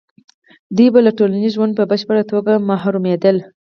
دوی به له ټولنیز ژونده په بشپړه توګه محرومېدل.